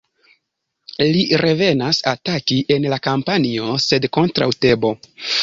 Li revenas ataki en la kampanjo "Sep kontraŭ Tebo".